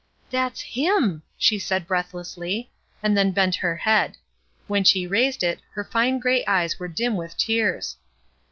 "That's Him!'' she said breathlessly, and then bent her head. When she raised it, her fine gray eyes were dim with tears.